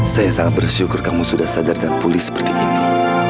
saya sangat bersyukur kamu sudah sadar dan pulih seperti ini